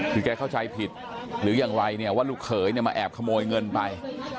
ที่แกเข้าใจผิดหรือยังไงว่าลูกเขยมาแอบขโมยเงินไป